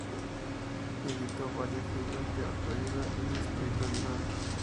Editó varios libros de autoayuda y espiritualidad.